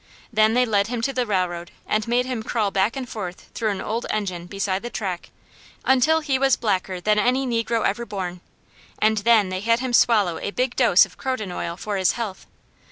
Then they led him to the railroad, and made him crawl back and forth through an old engine beside the track, until he was blacker than any negro ever born; and then they had him swallow a big dose of croton oil for his health.